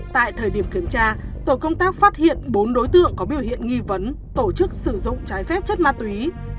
tại thời điểm kiểm tra tổ công tác phát hiện bốn đối tượng có biểu hiện nghi vấn tổ chức sử dụng trái phép chất ma túy